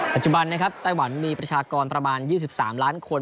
ปัจจุบันนะครับไต้หวันมีประชากรประมาณ๒๓ล้านคน